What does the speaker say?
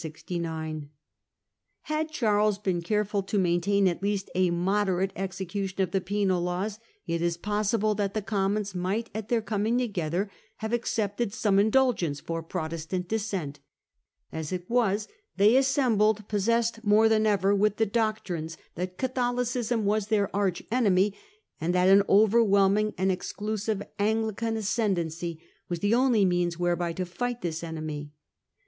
Had Charles been careful to maintain at least a moderate execution of the penal laws, it is possible that the Commons might at their coming together have accepted some indulgence for Protestant Dissent. As it was, they assembled possessed more than ever with the doctrines that Catholicism was their arch enemy, and that an overwhelming and exclusive Anglican ascendancy was the only means whereby to fight this enemy.